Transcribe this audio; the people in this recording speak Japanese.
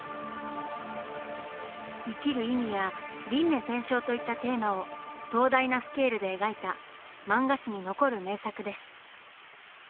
生きる意味や輪廻転生といったテーマを壮大なスケールで描いた漫画史に残る名作です。